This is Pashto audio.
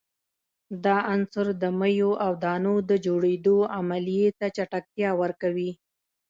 دا عنصر د میو او دانو د جوړیدو عملیې ته چټکتیا ورکوي.